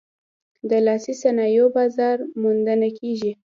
د لاسي صنایعو بازار موندنه کیږي؟